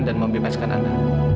dan membebaskan anda